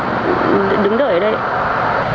thì em phải bắt đứng đợi ở đây